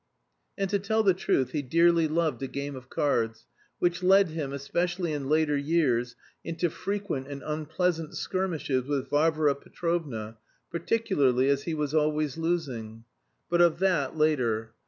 And to tell the truth he dearly loved a game of cards, which led him, especially in later years, into frequent and unpleasant skirmishes with Varvara Petrovna, particularly as he was always losing. But of that later.